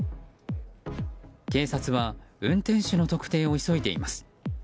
警察は運転手の特定を急いでいます。